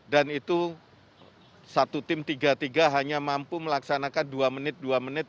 dan itu satu tim tiga tiga hanya mampu melaksanakan dua menit dua menit